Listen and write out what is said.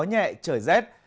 hẹn trời rét